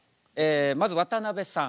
まず渡辺さん。